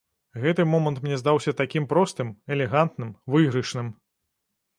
Гэты момант мне здаўся такім простым, элегантным, выйгрышным.